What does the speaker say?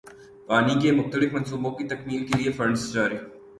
پانی کے مختلف منصوبوں کی تکمیل کیلئے فنڈز جاری